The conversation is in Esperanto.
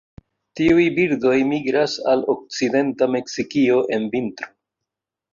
Tiuj birdoj migras al okcidenta Meksikio en vintro.